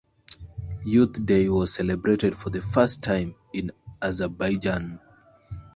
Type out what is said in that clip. Youth Day was celebrated for the first time in Azerbaijan.